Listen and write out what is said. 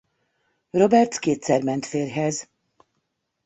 Roberts kétszer ment férjhez.